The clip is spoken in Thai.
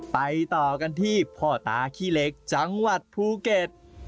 ต่อกันที่พ่อตาขี้เหล็กจังหวัดภูเก็ต